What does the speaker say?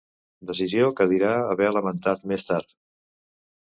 Decisió que dirà haver lamentat més tard.